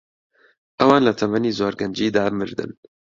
ئەوان لە تەمەنی زۆر گەنجیدا مردن.